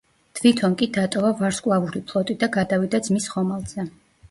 თვითონ კი დატოვა ვარსკვლავური ფლოტი და გადავიდა ძმის ხომალდზე.